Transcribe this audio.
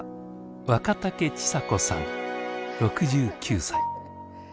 若竹千佐子さん６９歳。